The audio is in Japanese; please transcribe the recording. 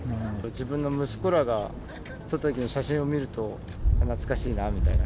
自分の息子らが撮ったときの写真を見ると、あ、懐かしいなみたいな。